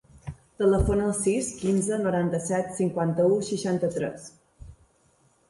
Telefona al sis, quinze, noranta-set, cinquanta-u, seixanta-tres.